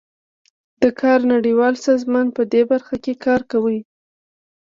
د کار نړیوال سازمان پدې برخه کې کار کوي